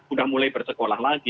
sudah mulai bersekolah lagi